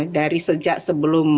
dari sejak sebelumnya